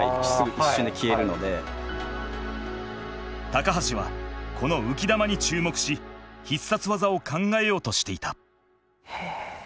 高橋はこの浮き球に注目し必殺技を考えようとしていた。